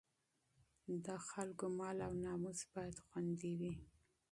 د خلکو مال او ناموس باید خوندي وي.